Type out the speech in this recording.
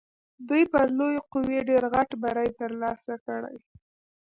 دوی پر لویې قوې ډېر غټ بری تر لاسه کړی.